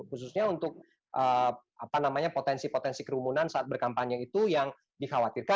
khususnya untuk potensi potensi kerumunan saat berkampanye itu yang dikhawatirkan